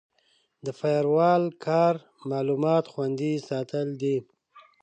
د فایروال کار معلومات خوندي ساتل دي.